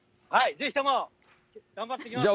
ぜひとも、頑張ってきますんで。